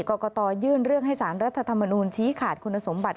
กรกตยื่นเรื่องให้สารรัฐธรรมนูญชี้ขาดคุณสมบัติ